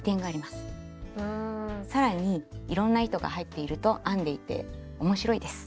更にいろんな糸が入っていると編んでいて面白いです。